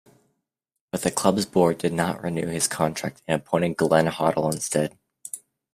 But the club's board did not renew his contract and appointed Glenn Hoddle instead.